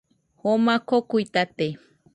Joma kokuitate